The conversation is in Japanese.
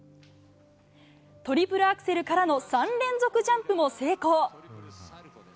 トリプルアクセルからの３連続ジャンプも成功。